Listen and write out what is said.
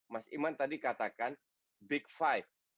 mas iman tadi katakan big five